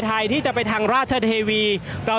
ก็น่าจะมีการเปิดทางให้รถพยาบาลเคลื่อนต่อไปนะครับ